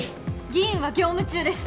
議員は業務中です